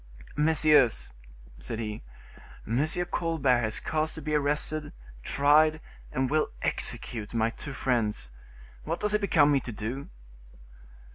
"Messieurs," said he, "M. Colbert has caused to be arrested, tried and will execute my two friends; what does it become me to do?"